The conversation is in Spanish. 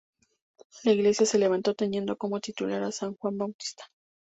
La iglesia se levantó teniendo como titular a San Juan Bautista.